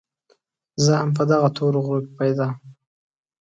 زه هم په دغه تورو غرو کې پيدا